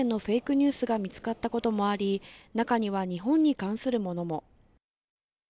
ニュースが見つかったこともあり、中には日本に関するものも。